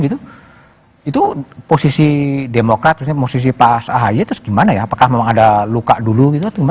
itu posisi demokrat posisi pak ahy terus gimana ya apakah memang ada luka dulu gitu